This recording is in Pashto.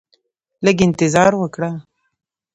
لږ انتظار وکړه